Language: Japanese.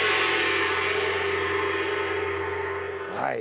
はい。